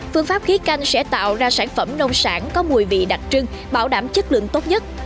phương pháp khí canh sẽ tạo ra sản phẩm nông sản có mùi vị đặc trưng bảo đảm chất lượng tốt nhất